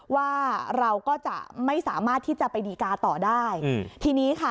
ว่าเราก็จะไม่สามารถที่จะไปดีกาต่อได้อืมทีนี้ค่ะ